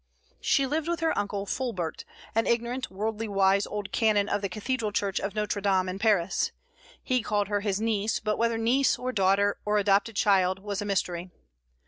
She lived with her uncle Fulbert, an ignorant, worldly wise old canon of the Cathedral Church of Notre Dame in Paris. He called her his niece; but whether niece, or daughter, or adopted child, was a mystery.